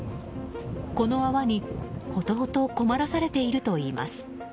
この泡にほとほと困らされているといいます。